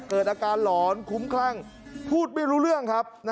เกิดอาการหลอนคุ้มคลั่งพูดไม่รู้เรื่องครับ